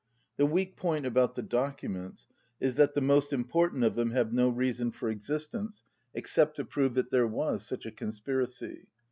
The weak point about the documents is that the most important of them have no reason for existence except to prove that there was such a conspiracy.